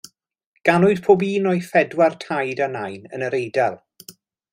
Ganwyd pob un o'i phedwar taid a nain yn yr Eidal.